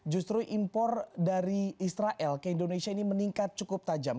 justru impor dari israel ke indonesia ini meningkat cukup tajam